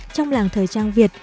trong làng thời trang việt